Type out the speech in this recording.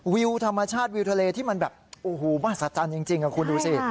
วิวธรรมชาติวิวทะเลที่มันแบบโอ้โหมหัศจรรย์จริงคุณดูสิ